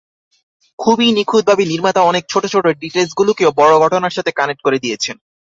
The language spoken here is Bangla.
খুবই নিখুঁতভাবে নির্মাতা অনেক ছোট ছোট ডিটেইলস গুলোকেও বড় ঘটনার সাথে কানেক্ট করে দিয়েছেন।